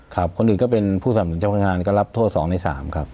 คนอื่นก็เป็นผู้สนับสนุนเจ้าพนักงานก็รับโทษ๒ใน๓ครับ